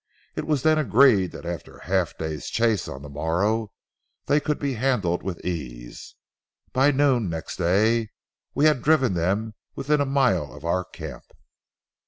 It was then agreed that after a half day's chase on the morrow, they could be handled with ease. By noon next day, we had driven them within a mile of our camp.